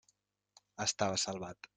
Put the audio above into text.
Estava salvat.